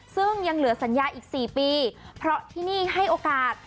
ซึ่งยังเหลือสัญญาอีก๔ปีเพราะที่นี่ให้โอกาส